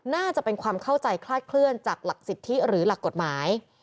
น่าจะเป็นความเข้าใจคลาดเคลื่อนจากหลักสิทธิหรือหลักกฎหมาย